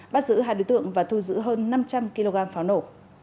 bắt giữ hai đối tượng và thu giữ hơn năm trăm linh kg pháo nổ